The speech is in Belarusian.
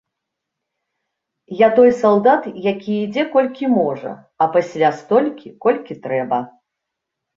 Я той салдат, які ідзе колькі можа, а пасля столькі, колькі трэба.